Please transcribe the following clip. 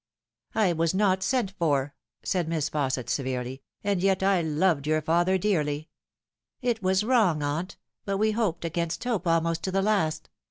" I was not sent for," said Miss Fausset severely. " And yet I loved your father dearly." " It was wrong, aunt ; but we hoped against hope almost to the last.